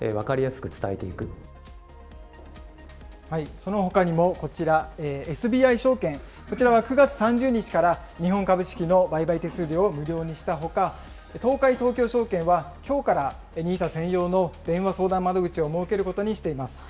そのほかにもこちら、ＳＢＩ証券、こちらは９月３０日から日本株式の売買手数料を無料にしたほか、東海東京証券は、きょうからＮＩＳＡ専用の電話相談窓口を設けることにしています。